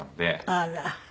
あら。